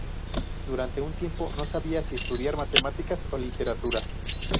Durante un tiempo no sabía si estudiar matemáticas o literatura.